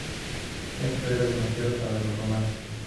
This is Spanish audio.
Esto era demasiado para los romanos.